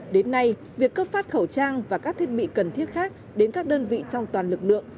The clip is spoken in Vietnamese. đến nay việc cấp phát khẩu trang và các thiết bị cần thiết khác đến các đơn vị trong toàn lực lượng